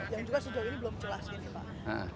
yang juga sejauh ini belum jelasin ya pak